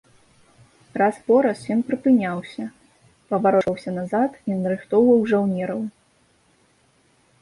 Раз-пораз ён прыпыняўся, паварочваўся назад і нарыхтоўваў жаўнераў.